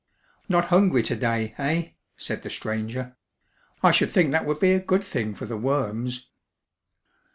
"Not hungry to day, eh?" said the stranger. "I should think that would be a good thing for the worms."